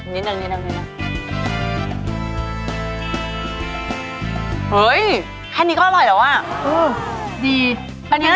นี่เขามีขุมมือนะร้อนเป็นยังไง